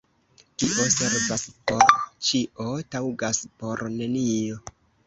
Kio servas por ĉio, taŭgas por nenio.